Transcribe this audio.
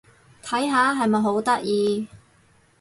睇下！係咪好得意？